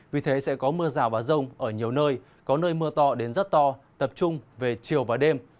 vì thế sẽ có mưa rào và rông ở nhiều nơi có nơi mưa to đến rất to tập trung về chiều và đêm